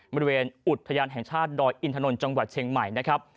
บริเวณอุทยานแห่งชาติดอยอินทนนท์จังหวัดเชียงใหม่นะครับ